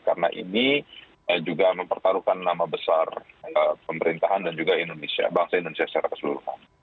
karena ini juga mempertaruhkan nama besar pemerintahan dan juga bangsa indonesia secara keseluruhan